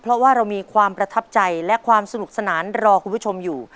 เพราะว่าเรามีความประทับใจและความสนุกสนานรอคุณผู้ชมอยู่